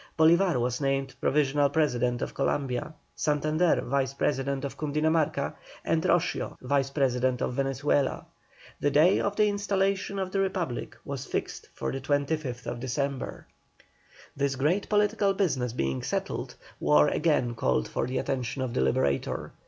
Bolívar was named provisional President of Columbia, Santander Vice President of Cundinamarca, and Roscio Vice President of Venezuela. The day of the installation of the Republic was fixed for the 25th December. This great political business being settled, war again called for the attention of the Liberator.